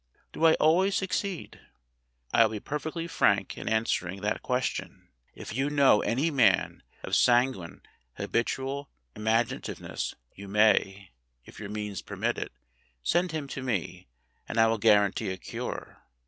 Do I always succeed? I will be perfectly frank in answering that question. If you know any man of sanguine habitual imaginative ness you may (if your means permit it) send him to me and I will guarantee a cure.